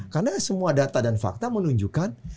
karena semua data dan fakta menunjukkan